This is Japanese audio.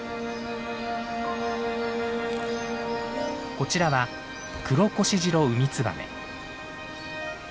こちらはクロコシジロウミツバメ。